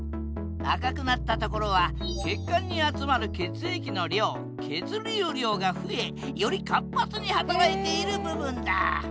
赤くなったところは血管に集まる血液の量血流量が増えより活発に働いている部分だ。